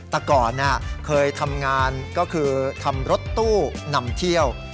แต่ก่อนเคยทำงานก็คือทำรถตู้นำเที่ยว